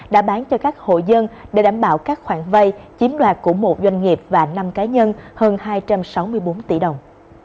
đã bán cho các hộ dân để đảm bảo các khoản vay chiếm đoạt của một doanh nghiệp và năm cá nhân hơn hai trăm sáu mươi bốn tỷ đồng